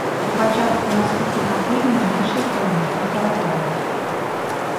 У пачатку наступнага тыдня ў нашай краіне пахаладае.